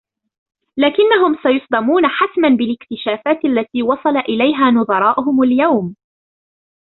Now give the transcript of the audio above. لكنهم سيصدمون حتما بالاكتشافات التي وصل إليها نظراؤهم اليوم